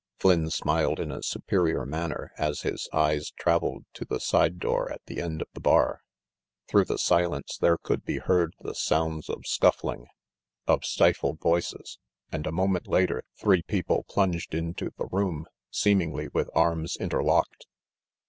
Flynn smiled in a superior manner as his eyes traveled to the side door at the end of the bar. Through the silence there could be heard the sounds of scuffling, of stifled voices, and a moment later three people plunged into the room, seemingly with arms interlocked.